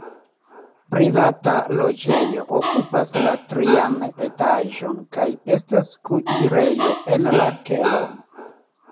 Privata loĝejo okupas la trian etaĝon kaj estas kuirejo en la kelo.